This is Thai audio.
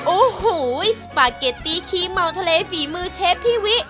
โอ้โหสปาเกตตี้คีเมาทะเลฝีมือเชฟพี่วิ